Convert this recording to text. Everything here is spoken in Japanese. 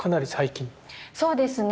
そうですね。